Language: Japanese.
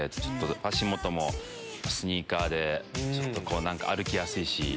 足元もスニーカーで歩きやすいし。